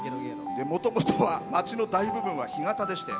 もともとは町の大部分は干潟でして